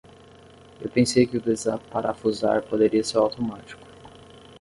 Eu pensei que o desaparafusar poderia ser automático.